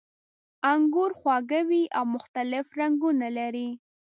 انګور خواږه وي او مختلف رنګونه لري.